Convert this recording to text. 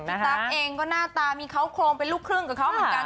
ตั๊กเองก็หน้าตามีเขาโครงเป็นลูกครึ่งกับเขาเหมือนกัน